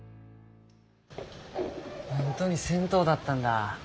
本当に銭湯だったんだ。